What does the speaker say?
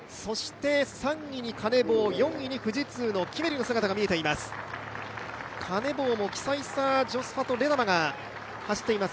３位にカネボウ、４位に富士通のキメリの姿が見えています。